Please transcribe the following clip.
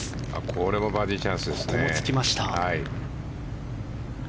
これもバーディーチャンスですね。